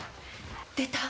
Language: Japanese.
出た？